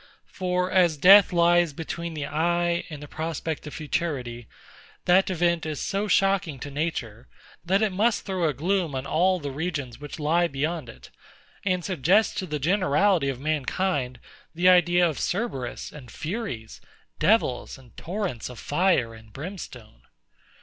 For as death lies between the eye and the prospect of futurity, that event is so shocking to Nature, that it must throw a gloom on all the regions which lie beyond it; and suggest to the generality of mankind the idea of CERBERUS and FURIES; devils, and torrents of fire and brimstone.